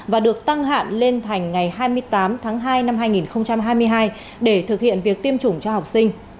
và được tăng hạn lên thành ngày hai mươi tám tháng hai năm hai nghìn hai mươi hai để thực hiện việc tiêm chủng cho học sinh